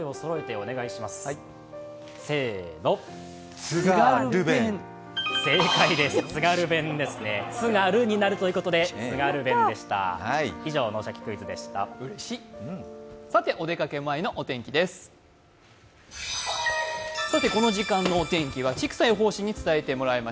お出かけ前のお天気です。